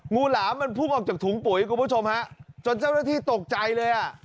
หลามมันพุ่งออกจากถุงปุ๋ยคุณผู้ชมฮะจนเจ้าหน้าที่ตกใจเลยอ่ะ